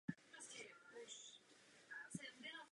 Pane předsedající, zcela souhlasím s komentářem pana Czarneckiho.